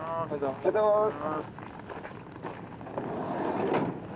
おはようございます。